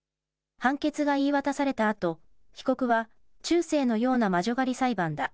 判決が言い渡されたあと、被告は、中世のような魔女狩り裁判だ。